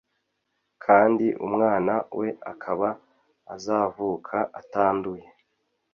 kandi umwana we akaba azavuka atanduye